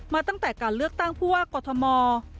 มาตั้งแต่การเลือกตั้งผู้ว่ากอทม